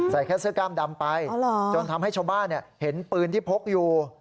แค่เสื้อกล้ามดำไปจนทำให้ชาวบ้านเห็นปืนที่พกอยู่